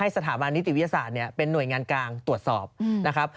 สถาบันนิติวิทยาศาสตร์เป็นหน่วยงานกลางตรวจสอบนะครับ